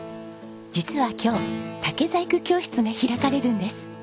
実は今日竹細工教室が開かれるんです。